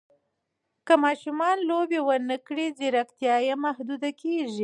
که ماشوم لوبې ونه کړي، ځیرکتیا یې محدوده کېږي.